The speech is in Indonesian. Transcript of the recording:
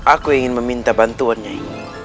aku ingin meminta bantuan nyai